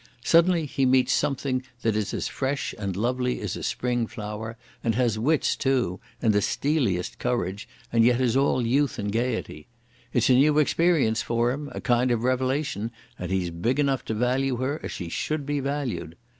Suddenly he meets something that is as fresh and lovely as a spring flower, and has wits too, and the steeliest courage, and yet is all youth and gaiety. It's a new experience for him, a kind of revelation, and he's big enough to value her as she should be valued....